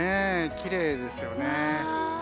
きれいですよね。